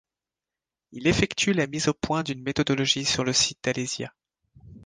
Il effectue la mise au point d'une méthodologie sur le site d'Alésia.